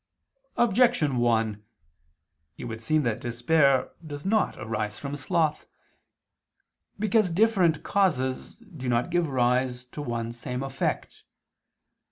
Objection 1: It would seem that despair does not arise from sloth. Because different causes do not give rise to one same effect.